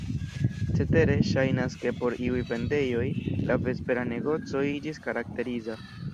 Cetere, ŝajnas ke por iuj vendejoj la vespera negoco iĝis karakteriza.